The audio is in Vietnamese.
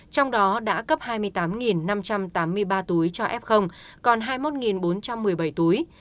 trong đó đã cấp hai mươi tám năm trăm tám mươi ba túi cho f còn hai mươi một bốn trăm một mươi bảy túi